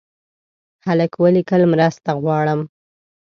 هلک ولیکل مرسته غواړم.